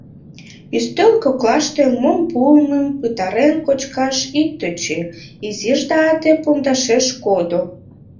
«Ӱстел коклаште мом пуымым пытарен кочкаш ит тӧчӧ, изиш да ате пундашеш кодо».